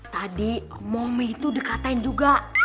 tadi momi itu dikatain juga